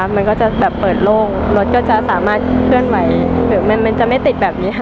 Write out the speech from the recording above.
มันก็จะแบบเปิดโล่งรถก็จะสามารถเคลื่อนไหวหรือมันจะไม่ติดแบบนี้ค่ะ